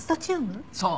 そう。